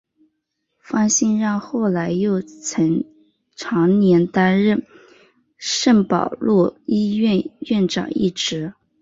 方心让后来又曾长年担任圣保禄医院院长一职。